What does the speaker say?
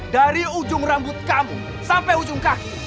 dari ujung rambut kamu sampai ujung kaki